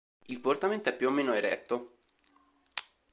Il portamento è più o meno eretto.